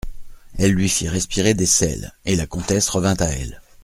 Elle lui fit respirer des sels, et la comtesse revint à elle.